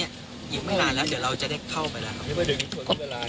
อีกไม่นานแล้วเดี๋ยวเราจะได้เข้าไปแล้วครับเวลา